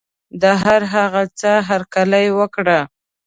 د هر هغه څه هرکلی وکړه.